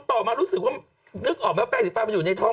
ต่อมารู้สึกว่านึกออกไหมแป้งสีฟ้ามันอยู่ในท้อง